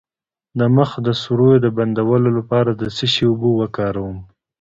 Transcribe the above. د مخ د سوریو د بندولو لپاره د څه شي اوبه وکاروم؟